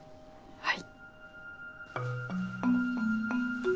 はい。